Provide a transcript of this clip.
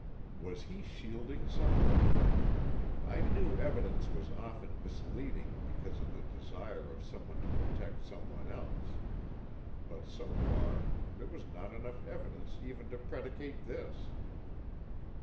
Was he shielding some one? I knew evidence was often misleading because of the desire of some one to protect some one else. But so far, there was not enough evidence even to predicate this.